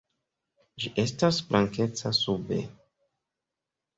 Ĝi estas blankeca sube.